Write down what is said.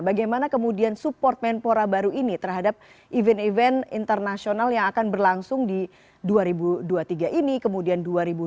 bagaimana kemudian support menpora baru ini terhadap event event internasional yang akan berlangsung di dua ribu dua puluh tiga ini kemudian dua ribu dua puluh